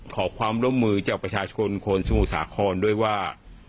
ขอความร่วมมือจากประชาชนคนสมุทรสาครด้วยว่า